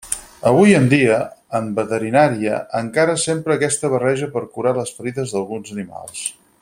Avui en dia, en veterinària, encara s'empra aquesta barreja per curar les ferides d'alguns animals.